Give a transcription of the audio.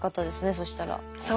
そしたら。